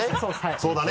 そうだね。